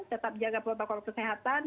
tetap jaga protokol kesehatan